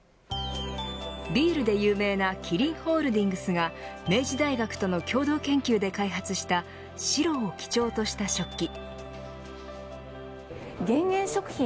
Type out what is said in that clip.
ビールで有名なキリンホールディングスが明治大学との共同研究で開発した白を基調とした食器。